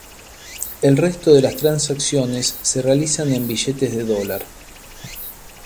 El resto de las transacciones se realizan en billetes de dólar.